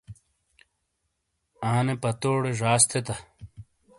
انے پتوڑے جاس تھیتا۔